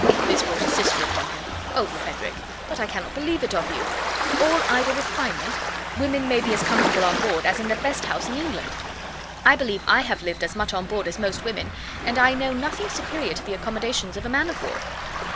This brought his sister upon him. "Oh! Frederick! But I cannot believe it of you.—All idle refinement!—Women may be as comfortable on board, as in the best house in England. I believe I have lived as much on board as most women, and I know nothing superior to the accommodations of a man of war.